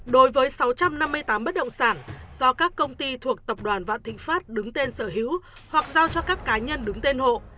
đối với sáu trăm năm mươi tám bất động sản do các công ty thuộc tập đoàn vạn thịnh pháp đứng tên sở hữu hoặc giao cho các cá nhân đứng tên hộ